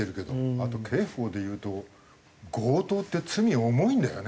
あと刑法でいうと強盗って罪重いんだよね？